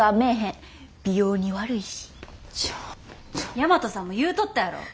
大和さんも言うとったやろ！